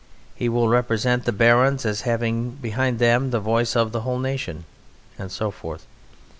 He will represent the Barons as having behind them the voice of the whole nation and so forth.